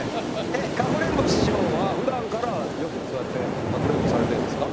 かくれんぼ師匠はふだんからよくそうやってかくれんぼされてるんですか？